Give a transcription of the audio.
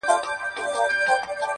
دا کيسه د انسان د وجدان غږ ګرځي،